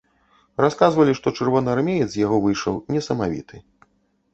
Расказвалі, што чырвонаармеец з яго выйшаў несамавіты.